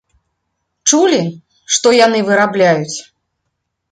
Чулі, што яны вырабляюць?